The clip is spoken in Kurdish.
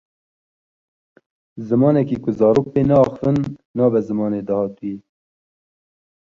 Zimanekî ku zarok pê neaxivin, nabe zimanê dahatûyê.